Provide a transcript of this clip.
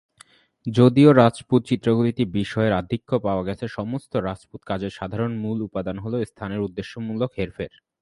যদিও রাজপুত চিত্রগুলিতে বিষয়ের আধিক্য পাওয়া গেছে, সমস্ত রাজপুত কাজের সাধারণ মূল উপাদান হল স্থানের উদ্দেশ্যমূলক হেরফের।